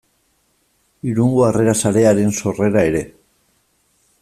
Irungo Harrera Sarearen sorrera ere.